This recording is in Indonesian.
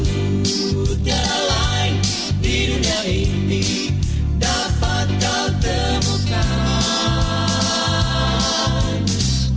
tiada lain di dunia ini dapat kau temukan